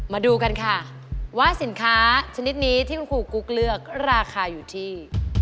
มาดูกันค่ะว่าสินค้าชนิดนี้ที่คุณครูกุ๊กเลือกราคาอยู่ที่